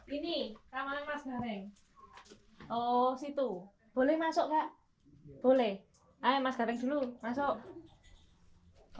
ini ramadhan mas gareng